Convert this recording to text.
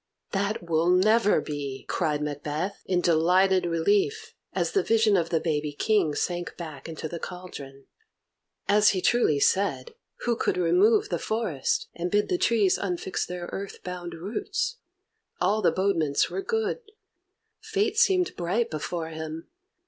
"That will never be!" cried Macbeth, in delighted relief, as the vision of the baby King sank back into the cauldron. As he truly said, who could remove the forest, and bid the trees unfix their earth bound roots? All the bodements were good. Fate seemed bright before him.